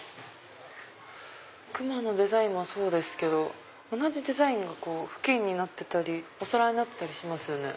クマのデザインもそうですけど同じデザインが布巾になってたりお皿になってたりしますよね。